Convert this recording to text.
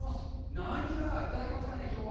何がいただけますかね、きょうは。